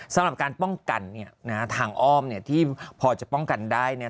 สำหรับการป้องกันเนี่ยนะฮะทางอ้อมเนี่ยที่พอจะป้องกันได้เนี่ย